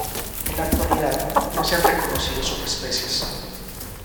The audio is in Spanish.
En la actualidad no se han reconocido subespecies.